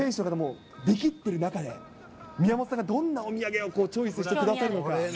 結構、しかも宮本さん、選手とかでもできってる中で、宮本さんがどんなお土産をチョイスしてくださるのか。